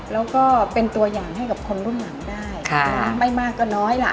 แล้วก็เป็นตัวอย่างให้กับคนรุ่นหลังได้ไม่มากก็น้อยล่ะ